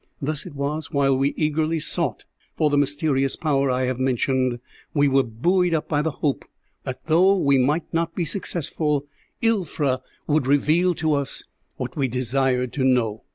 Thus it was, while we eagerly sought for the mysterious power I have mentioned, we were buoyed up by the hope that, though we might not be successful, Ilfra would reveal to us what we desired to know."